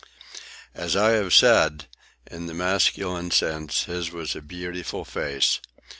As I have said, in the masculine sense his was a beautiful face.